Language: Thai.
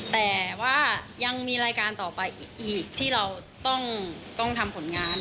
แต่ว่ายังมีรายการต่อไปอีกที่เราต้องทำผลงาน